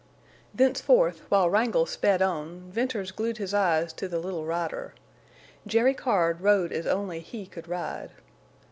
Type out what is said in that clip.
Thenceforth, while Wrangle sped on, Venters glued his eyes to the little rider. Jerry Card rode as only he could ride.